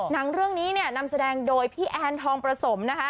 นังเรื่องนี้นำแสดงโดยพี่แอนทองประสม